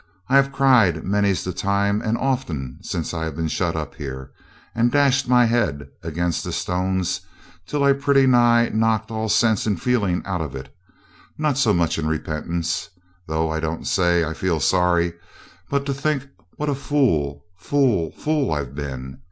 I have cried many's the time and often since I have been shut up here, and dashed my head against the stones till I pretty nigh knocked all sense and feeling out of it, not so much in repentance, though I don't say I feel sorry, but to think what a fool, fool, fool I'd been.